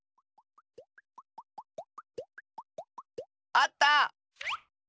あった！